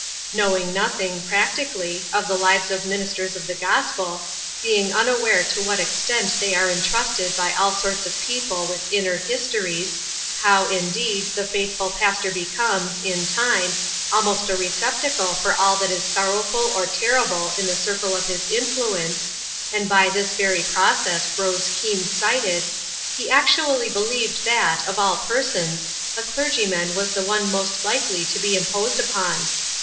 Knowing nothing, practically, of the lives of ministers of the gospel, being unaware to what extent they are trusted by all sorts of people with inner histories, how, indeed, the faithful pastor be comes, in time, almost a receptacle for all that is sorrowful or terrible in the circle of his influence, and by this very process grows keen sighted, he actually believed that, of all persons, a clergyman was the one most likely to be imposed upon.